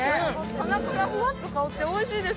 鼻からふわっと香っておいしいです。